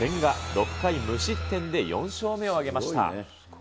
６回無失点で４勝目を挙げました。